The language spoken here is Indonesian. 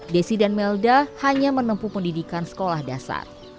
desi dan melda hanya menempuh pendidikan sekolah dasar